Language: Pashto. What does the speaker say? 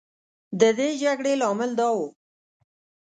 د دې جګړې لامل دا و.